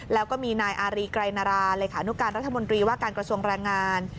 แล้วก็มีนายอารีไกรนาราเลขานุการรัฐมนตรีว่าการกระทรวงแรงงาน